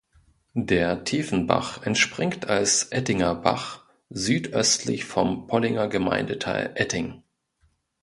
Der Tiefenbach entspringt als Ettinger Bach südöstlich vom Pollinger Gemeindeteil Etting.